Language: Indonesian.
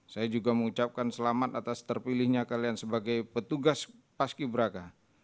saya juga mengucapkan selamat atas terpilihnya kalian sebagai petugas paski braka